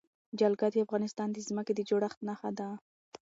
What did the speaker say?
جلګه د افغانستان د ځمکې د جوړښت نښه ده.